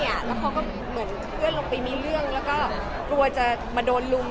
ถ้าลงมามีเรื่องก็กลัวจะมาโดนลุ้ม